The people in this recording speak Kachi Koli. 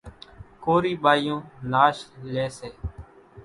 ڪورِي ٻايوُن ناش ليئيَ سي۔